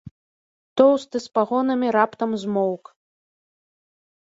Тоўсты з пагонамі раптам змоўк.